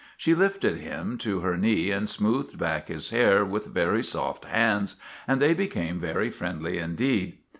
She lifted him to her knee and smoothed back his hair with very soft hands, and they became very friendly indeed.